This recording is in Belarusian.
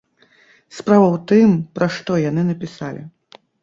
Справа ў тым, пра што яны напісалі.